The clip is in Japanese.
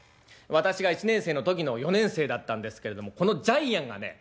私が１年生の時の４年生だったんですけれどもこのジャイアンがね